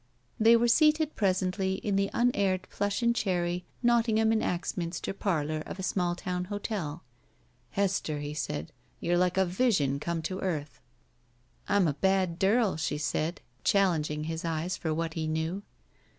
They were seated presently in the unaired plush and cherry, Nottingham and Axminster parlor of a small town hotel. "Hester," he said, "you're like a vision come to earth." "I'm a bad durl," she said, challenging his eyes for what he knew.